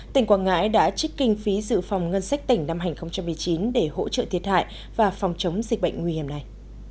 tỉnh quảng ngãi đã trích kinh phí dự phòng ngân sách tỉnh năm hai nghìn một mươi chín để hỗ trợ thiệt hại và phòng chống dịch bệnh nguy hiểm này